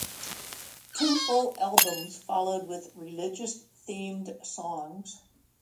Two full albums followed with religious-themed songs.